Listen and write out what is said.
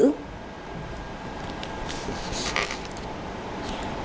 nguyễn đình tuấn